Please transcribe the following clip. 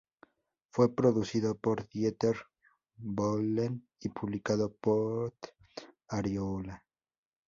Fue producido por Dieter Bohlen y publicado pot Ariola.